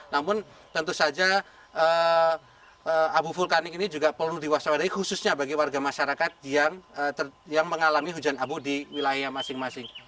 namun tentu saja abu vulkanik ini juga perlu diwaspadai khususnya bagi warga masyarakat yang mengalami hujan abu di wilayah masing masing